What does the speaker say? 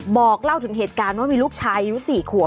บอกเล่าถึงเหตุการณ์ว่ามีลูกชายอายุ๔ขวบ